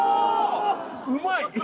うまい！